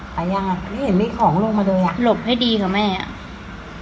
ไปยังอ่ะไม่เห็นมีของลงมาเลยอ่ะหลบให้ดีกับแม่อ่ะ